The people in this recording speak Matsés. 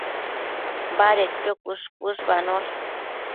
Badedquio cuësh-cuëshbanosh